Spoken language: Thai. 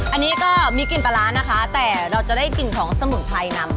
อันนี้ก็มีกลิ่นปลาร้านะคะแต่เราจะได้กลิ่นของสมุนไพรนำ